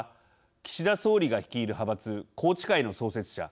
岸田総理が率いる派閥宏池会の創設者